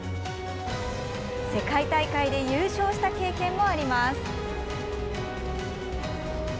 世界大会で優勝した経験もあります。